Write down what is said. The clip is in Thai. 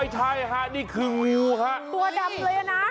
ตัวดำเลยนะ